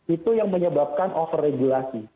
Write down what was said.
itu yang menyebabkan overregulasi